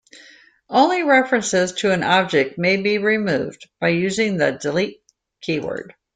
Only references to an object may be removed by using the "delete" keyword.